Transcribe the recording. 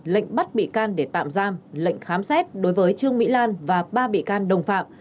lệnh bắt bị can để tạm giam lệnh khám xét đối với trương mỹ lan và ba bị can đồng phạm